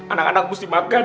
anak anak mesti makan